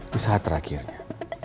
di saat terakhirnya